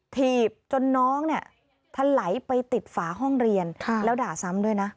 ถีบจนน้องเนี่ยทะไหลไปติดฝาห้องเรียนแล้วด่าซ้ำด้วยนะ